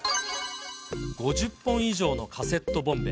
５０本以上のカセットボンベ。